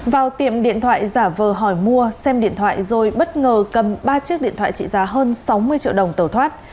vào tiệm điện thoại giả vờ hỏi mua xem điện thoại rồi bất ngờ cầm ba chiếc điện thoại trị giá hơn sáu mươi triệu đồng tẩu thoát